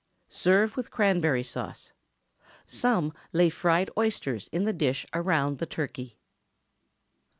Serve with cranberry sauce. Some lay fried oysters in the dish around the turkey.